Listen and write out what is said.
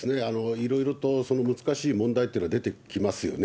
いろいろとその難しい問題というのが出てきますよね。